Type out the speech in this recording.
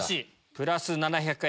プラス７００円。